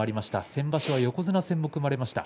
先場所は横綱戦も組まれました。